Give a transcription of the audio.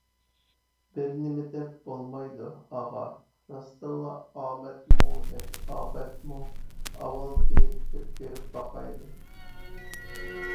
بىرنېمىدەپ بولمايدۇ، ئاغا، راستتىنلا ئامەتمۇ ياكى ئاپەتمۇ، ئاۋۋال بېرىپ بىر كۆرۈپ باقايلى.